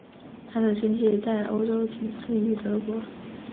她的经济在欧洲仅次于德国。